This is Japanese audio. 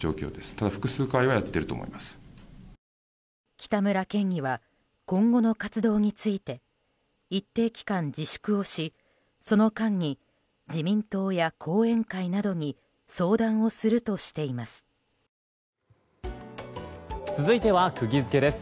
北村県議は今後の活動について一定期間、自粛をしその間に自民党や後援会などに相談をするとしています。